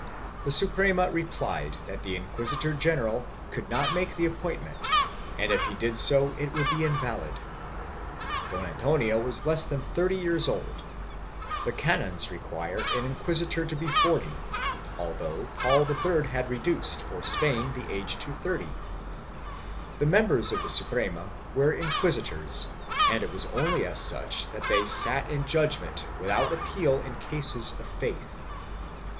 The Suprema replied that the inquisitor general could not make the appointment and if he did so it would be invalid; Don Antonio was less than thirty years old; the canons require an inquisitor to be forty, although Paul III had reduced, for Spain, the age to thirty; members of the Suprema were inquisitors and it was only as such that they sat in judgement without appeal in cases of faith.